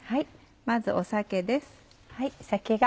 まず酒です。